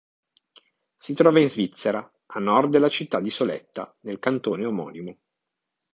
Si trova in Svizzera, a nord della città di Soletta nel cantone omonimo.